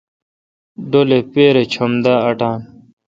ڈولے پیرہ چم دا اٹان۔